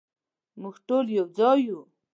مونږ ټول یو ځای یو